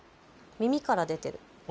耳から出てる。